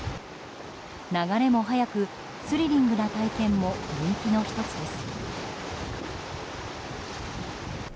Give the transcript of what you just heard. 流れも速く、スリリングな体験も人気の１つです。